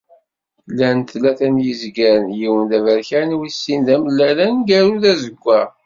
Llan tlata n yizgaren, yiwen d aberkan, wis sin d amellal, aneggaru d azeggaɣ.